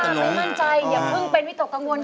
เพลงที่สี่